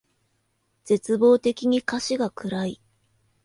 絶望的に歌詞が暗い